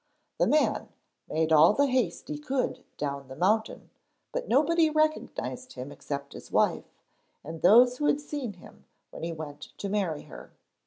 The man made all the haste he could down the mountain, but nobody recognised him except his wife, and those who had seen him when he went to marry her.